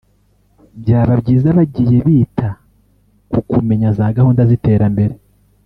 byaba byiza bagiye bita ku kumenya za gahunda z’iterambere